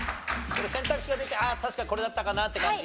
選択肢が出て「ああ確かこれだったかな」って感じ？